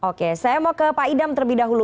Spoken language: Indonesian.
oke saya mau ke pak idam terlebih dahulu